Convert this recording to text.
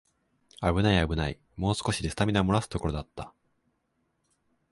あぶないあぶない、もう少しでスタミナもらすところだった